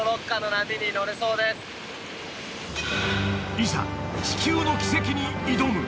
いざ地球の奇跡に挑む！